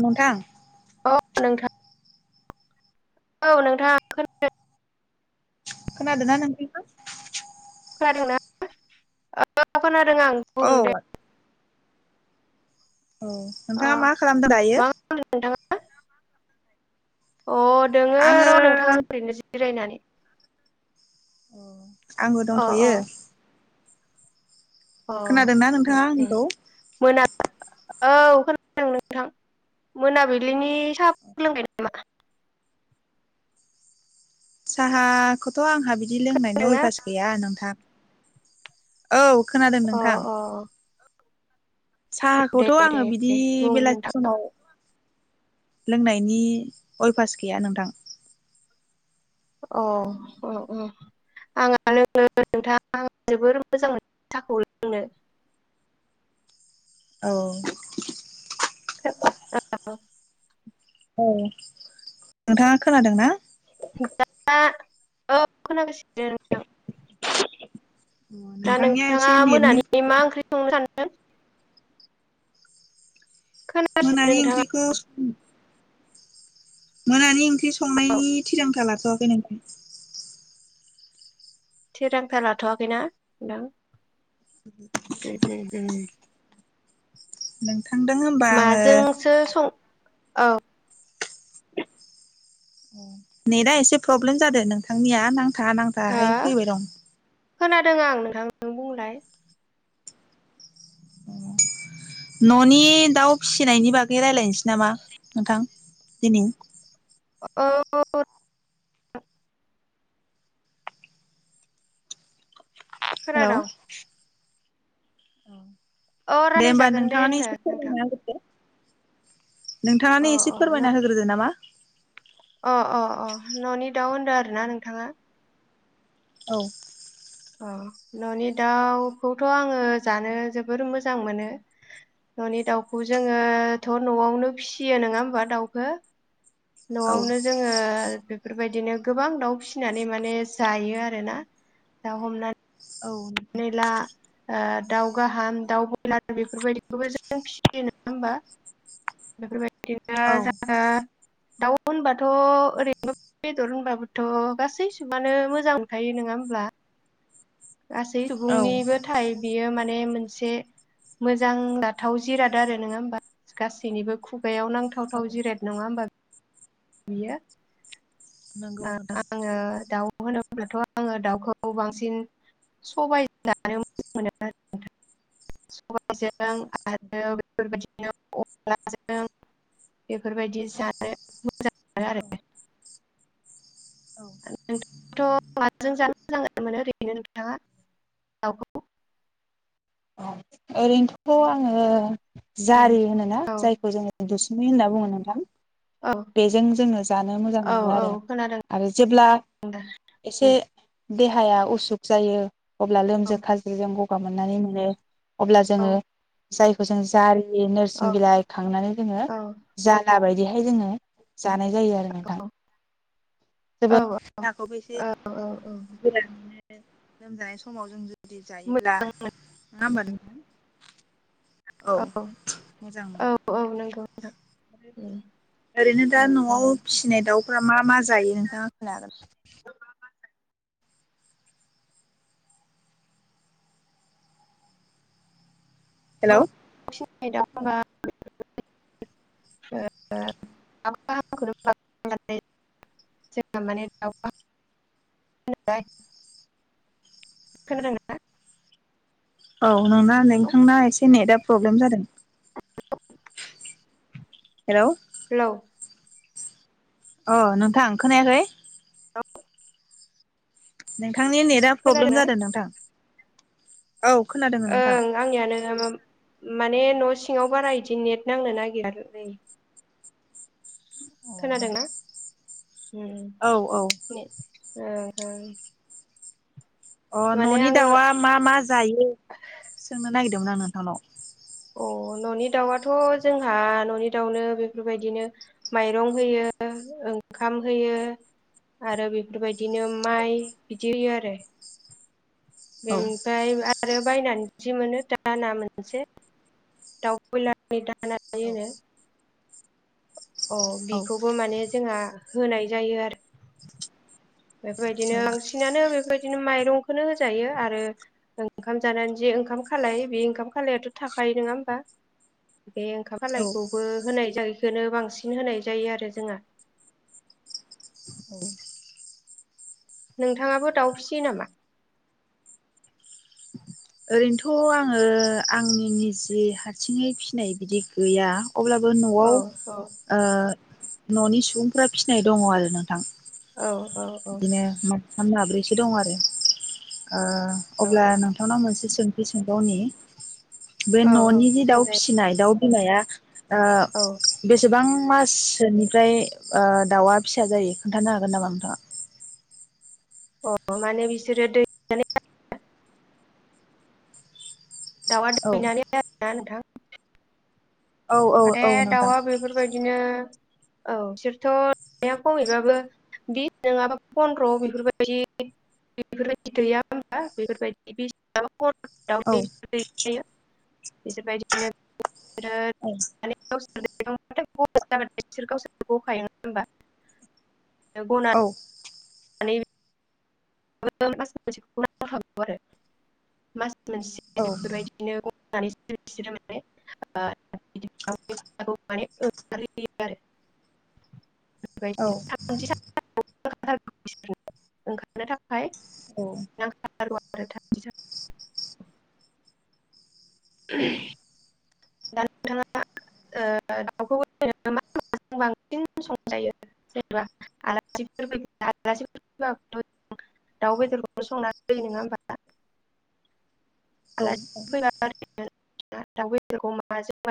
नोंथां औ नोंथां औ नोंथाङा खोनादों खोनादोंना नोंथां खोनादोंना औ खोनादों खोनादो आं औ बुं दे औ अ नोंथाङा मा खालामदों दायो मा [unintelligible] दोङो आङो र नोंथां ओरैनो जि जिरायनानै अ आंबो अ अ दंथ'यो अ खोनादों ना उम नोंथाङा उम आंनिखौ मोना औ खोनादों नोंथां मोनाबिलिनि साहाफोर लोंबाय नामा साहाखौथ' आं आंहा बिदि लोंनायनि नोंना अयभास गैया नोंथां औ खोनादों अ नोंथां अ दे साहाखौथ' आङो दे बिदि दे बुं बेलासि नोंथां समाव लोंनायनि अभ्यास गैया नोंथां औ औ औ आंहा लोङो नोंथां आं जोबोर मोजां मोनो साहाखौ लोंनो औ [unintelligible] औ नोंथाङा खोनादों ना दा औ खोनागासिनो नोंथां दा नोंथांनिया नोंथाङा एसे नेटनि मोनानि मा ओंख्रि संनो सानदों [inaudible] खोनागासिनो मोनानि नोंथाङा ओंख्रिखौ सं मोनानि ओं ओंख्रि औ संनायनि थिरांथा लाथ'आखै [unintelligible] थिरांथा लाथ'वाखैना नोंथां उम उम उम नों नाजोंसो सं औ अ नेटआ एसे प्रब्लेम जादों नोंथांनिया नां नांथा हो नांथाहाय फैबाय दं खोनादों आं नोंथां नों बुंलाय न'नि दाउ फिसिनायनि बागै रायलायनोसै नामा नोंथां दिनै औ [unintelligible] हेल' खोनादों औ [inaudible] दे होमबा रायलायजागोन दे नोंथाङानो होनदो एसे नोंथां फोरमायना होग्रोदो अ नोंथाङानो एसे अ न फोरमायना होग्रोदो नामा अ अ अ न'नि दाउ होनदों आरोना नोंथाङा औ अ न'नि दाउखौथ' आङो जानो जोबोर मोजां मोनो न'नि दाउखौ जोङोथ' न'आवनो फिसियो नोङा होमबा दाउखो औ न'आवनो जोङो बे फोरबायदिनो गोबां दाउ फिसिनानै माने जायो आरोना दाउ हमनानै औ नोंथां ला ओ दाउ गाहाम दाउ बयलार बेफोरबायदिखौबो जों फिसियो नोङा होनबा बेफोरबाय औ [unintelligible] दाउ होनबाथ' ओरैनो बेदर होनबाबोथ' गासै सुबुङानो मोजां मोनखायो नङा होमब्ला गासै औ सुबुंनिबो थाय बियो माने माने मोनसे मोजां जाथाव जिराद आरो नङा होमबा गासै बिनिबो खुब खुगायाव नांथावथाव जिराट नङा होमबा बियो नोंगौ ओ नोंथां आङो दाउ होनोब्लाथ' आङो दाउखौ बांसिन सबाय जानो मोजां मोनो आरो सबायजों आरो बेफोरबायदिनो अनलाजों बेफोरबायदि जानो आरो [unintelligible] थ' ज [unintelligible] मोजां मोनो ओरैनो नोंथाङा दाउखौ औ ओरैनोथ' आङो उम जारि होनोना औ जायखौ जोङो दुसु मै होनना बुङो नोंथां औ बेजों जोङो जानो मोजां औ मोनो औ आरो खोनादों आरो जेब्ला दा एसे देहाया उसुख जायो अब्ला औ लोमज्रो खाज्रोजों ग [unintelligible] मनानै होन अब्ला जोङो जायखौ जों जारि औ नोरसिं बिलाइ खांनानै जोङो औ जाला बायदिहाय लोङो जानाय जायो आरो नोंथां जो [unintelligible] औ बो देखौबो एसे औ औ औ लोमजानाय समाव जों जु बिदि जायोब्ला मोजां मोनो। नङा होमबा नोंथां औ मोजां औ मोनो औ नंगौ नोंथां उम ओरैनो दा औ औ न'आव फिसिनाय दाउ मा मा जायो नोंथाङा बुंनो हागोन हेलौ दंबा [unintelligible] जोंहा माने दा खोनादों ना औ नोंना नोंथांना एसे नेदा प्रब्लेम जादों हेलौ हेलौ अ नोंथां खोनायाखै दे नोंथांनि नेटा प्रब्लेम खोनादोंना जादों नोंथां औ खोनादों नोंथां ओं आंनियानो मा माने न' सिङाव बारा इदि नेट नांनो नागिरालै खोनादोंना उम औ औ ओं ओं अ माने न'नि आङो दाउआ मा मा जायो सोंनो नागिरदोंमोन आं नोंथांनाव अ न'नि दाउआथ' जोंहा न'नि दाउनो बेफोरबायदिनो माइरं होयो ओंखाम होयो आरो बेफोरबायदिनो माइ बिदि होयो आरो औ ओमफ्राय आरो बायनानै जि मोनो द [inaudible] ना मोनसे दाउ [inaudible] बयलारनि दाना औ [unintelligible] औ बिखौबो माने जोंहा होनाय जायो आरो बेफोरबायदिनो बांसिनानो बेबायदि बिदिनो माइरंखौनो होजायो आरो ओंखाम जानानै जे ओंखाम खालाय बे ओंखाम खालायाथ' थाखायो नङा होमबा बे ओंखाम औ खालायखौबो होनाय बेखौनो बांसिन होनाय जायो आरो जोंहा औ नोंथाङाबो दाउ फिसियो नामा ओरैनोथ' आङो आंनि निजे हारसिङै फिनाय बिदि गैया अब्लाबो न'आव औ औ ओ न'नि सुबुंफोरा फिनाय दङ आरो नोंथां औ औ बिदिनो म माथाम माब्रैसो दं आरो ओ औ अब्ला नोंथांनाव मोनसे सोंथि सोंबावनि बे औ औ न'नि जि दाउ सोंजायो फिसिनाय दाउ बि माया ओ औ बेसेबां मासोनिफ्राय ओ दाउआ फिसा जायो खोन्थानो हागोन नामा नोंथाङा अ [inaudible] माने बिसोरो दै [inaudible] दाउआ औ दैनानै [unintelligible] [unintelligible] औ औ माने औ नोंथां दाउआ बेफोरबायदिनो औ बिसोरथ' नाय खमैबाबो बिस नङाबा फन्द्र' [inaudible] बेफोरबायदि बेफोरबायदि गैया हबा बेफोरबायदि बिस औ [unintelligible] बेफोरबायदिनो औ [unintelligible] औ [unintelligible] [inaudible] मोनसे बेफोर बायदिनो [inaudible] औ [unintelligible] [inaudible] थाखाय औ [unintelligible] [inaudible] [unintelligible] दा [inaudible] औ औ [unintelligible] दाउ बेदरखौ माजों माजों [unintelligible]